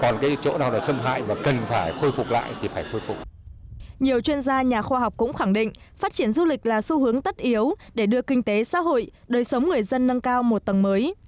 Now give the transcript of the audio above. nhiều chuyên gia nhà khoa học cũng khẳng định phát triển du lịch là xu hướng tất yếu để đưa kinh tế xã hội đời sống người dân nâng cao một tầng mới